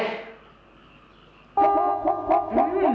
hah aku makan aja deh